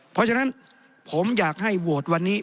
เพราะฉะนั้นผมอยากให้โหวตวันนี้